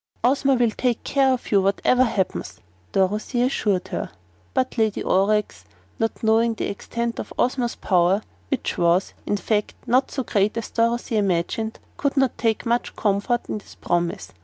"Ozma will take care of you, whatever happens," Dorothy assured her. But the Lady Aurex, not knowing the extent of Ozma's power which was, in fact, not so great as Dorothy imagined could not take much comfort in this promise.